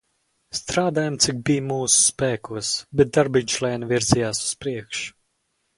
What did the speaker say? Strādājām, cik bij mūsu spēkos, bet darbiņš lēni virzījās uz priekšu.